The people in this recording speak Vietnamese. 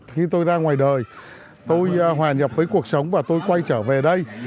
khi tôi ra ngoài đời tôi hòa nhập với cuộc sống và tôi quay trở về đây